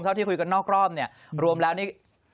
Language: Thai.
เท่าที่คุยกับนอกกล้อมเนี่ยรวมแล้วนี่